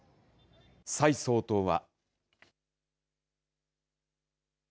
蔡総統は。